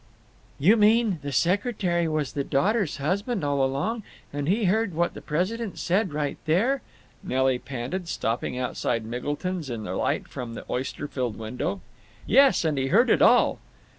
"You mean the secretary was the daughter's husband all along, and he heard what the president said right there?" Nelly panted, stopping outside Miggleton's, in the light from the oyster filled window. "Yes; and he heard it all."